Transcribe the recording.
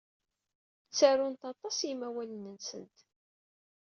Ttarunt aṭas i yimawlan-nsent.